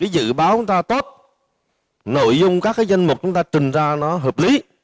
dự báo chúng ta tốt nội dung các danh mục chúng ta trình ra nó hợp lý